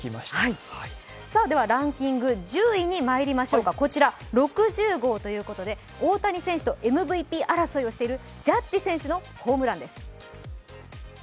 ではランキング１０位にまいりましょうか、こちら６０号ということで大谷選手とＭＶＰ争いをしているジャッジ選手のホームランです。